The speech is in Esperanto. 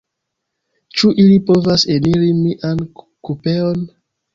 Ĉu ili povas eniri mian kupeon?